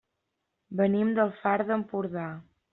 Venim del Far d'Empordà.